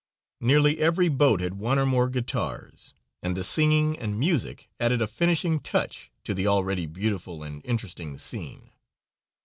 Nearly every boat had one or more guitars, and the singing and music added a finishing touch to the already beautiful and interesting scene.